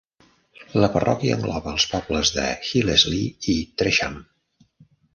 La parròquia engloba els pobles de Hillesley i Tresham.